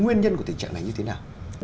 nguyên nhân của tình trạng này như thế nào